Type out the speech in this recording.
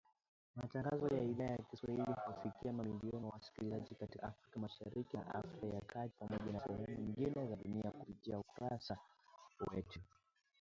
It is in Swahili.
Matangazo ya Idhaa ya Kiswahili huwafikia mamilioni ya wasikilizaji katika Afrika Mashariki na Afrika ya kati Pamoja na sehemu nyingine za dunia kupitia ukurasa wetu .